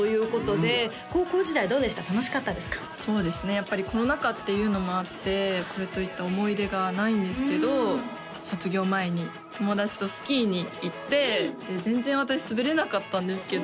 やっぱりコロナ禍っていうのもあってこれといった思い出がないんですけど卒業前に友達とスキーに行ってで全然私滑れなかったんですけど